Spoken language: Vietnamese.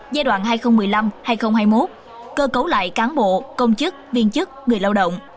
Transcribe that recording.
giai đoạn hai nghìn một mươi năm hai nghìn hai mươi một cơ cấu lại cán bộ công chức viên chức người lao động